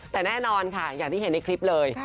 แต่แน่นอนค่ะอย่างที่เห็นในคลิปเลย